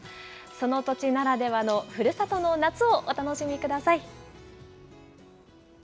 その土地ならではのふるさとの夏をお楽しみください。